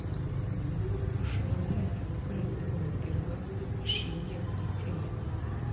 mushobora mwese gukorerwa ihohoterwa rishingiye ku gitsina.